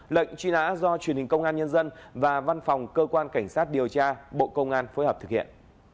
lệnh truy nã do truyền hình công an nhân dân và văn phòng cơ quan cảnh sát điều tra bộ công an phối hợp thực hiện